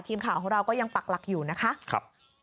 ทีมข่าวของเราก็ยังปักหลักอยู่นะคะ